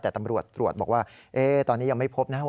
แต่ตำรวจตรวจบอกว่าตอนนี้ยังไม่พบนะครับ